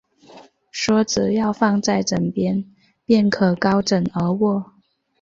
说只要放在枕边，便可高枕而卧